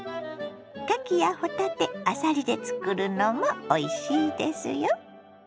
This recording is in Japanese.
かきやほたてあさりで作るのもおいしいですよ。